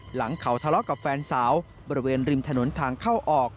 หลังเขาทะเลาะกับแฟนสาวบริเวณริมถนนทางเข้าออก